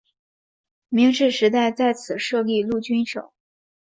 明治时代在此设立陆军省。